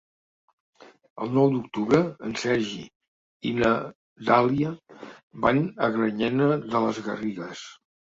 El nou d'octubre en Sergi i na Dàlia van a Granyena de les Garrigues.